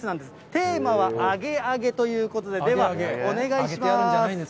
テーマは、アゲアゲということで、では、お願いします。